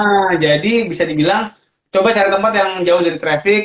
nah jadi bisa dibilang coba cari tempat yang jauh dari traffic